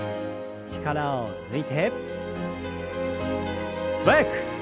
力を抜いて素早く。